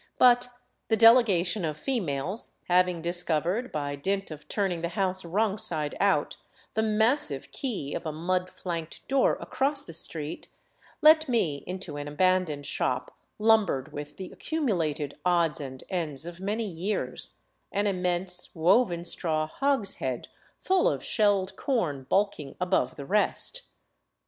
But the delegation of females, having discovered, by dint of turning the house wrong side out, the massive key of a mud flanked door across the street, let me into an abandoned shop lumbered with the accumulated odds and ends of many years, an immense, woven straw hogshead full of shelled corn bulking above the rest.